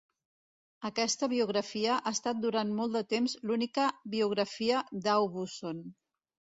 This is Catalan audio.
Aquesta biografia ha estat durant molt de temps l'única biografia d'Aubusson.